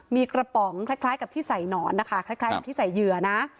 มีกระป๋องคล้ายกับที่ใส่หนอนนะคะคล้ายกับที่ใส่เหยื่อนะ